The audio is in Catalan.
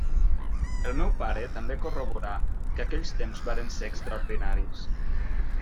El meu pare també corroborà que aquells temps varen ser extraordinaris.